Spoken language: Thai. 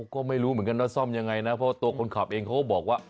ก็ไม่รู้เหมือนกันว่าซ่อมยังไงนะเพราะตัวคนขับเองเขาก็บอกว่า